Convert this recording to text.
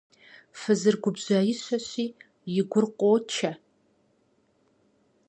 Фызыр губжьыщащи, и гур къочэ.